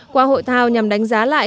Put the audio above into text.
qua hội thao nhằm đánh giá lại